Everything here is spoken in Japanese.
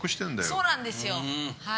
そうなんですよはい。